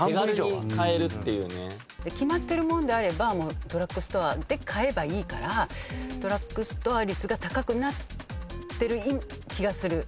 決まってるもんであればもうドラッグストアで買えばいいからドラッグストア率が高くなってる気がする。